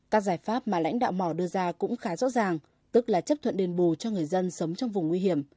các giải pháp mà lãnh đạo mỏ đưa ra cũng khá rõ ràng tức là chấp thuận đền bù cho người dân sống trong vùng nguy hiểm